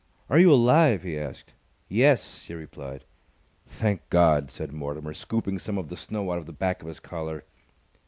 "Are you alive?" he asked. "Yes," she replied. "Thank God!" said Mortimer, scooping some of the snow out of the back of his collar.